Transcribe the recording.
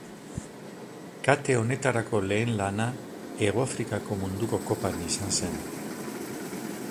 Kate honetarako lehen lana Hegoafrikako Munduko Kopan izan zen.